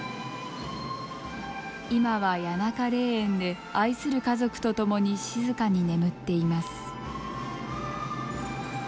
今は谷中霊園で愛する家族と共に静かに眠っています。